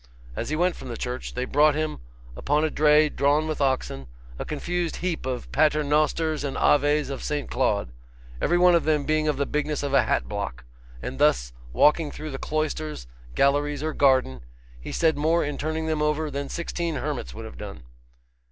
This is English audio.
As he went from the church, they brought him, upon a dray drawn with oxen, a confused heap of paternosters and aves of St. Claude, every one of them being of the bigness of a hat block; and thus walking through the cloisters, galleries, or garden, he said more in turning them over than sixteen hermits would have done.